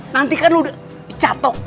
nanti kan lo udah dicatok